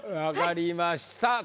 分かりました。